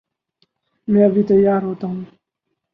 میں ابھی تیار ہو تاہوں